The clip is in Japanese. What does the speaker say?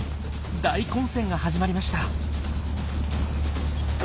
大混戦が始まりました。